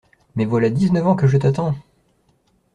Mais voilà dix-neuf ans que je t’attends !